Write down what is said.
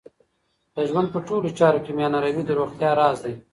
د ژوند په ټولو چارو کې میانه روی د روغتیا راز دی.